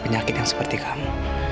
penyakit yang seperti kamu